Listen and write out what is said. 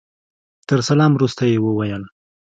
تر سلام وروسته يې وويل.